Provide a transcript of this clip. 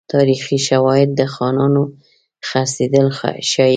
تاریخي شواهد د خانانو خرڅېدل ښيي.